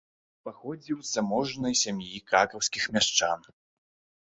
Паходзіў з заможнай сям'і кракаўскіх мяшчан.